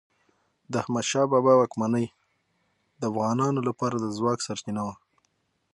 د احمد شاه بابا واکمني د افغانانو لپاره د ځواک سرچینه وه.